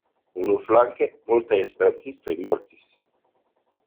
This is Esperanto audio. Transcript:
Unuflanke, multaj esperantistoj mortis.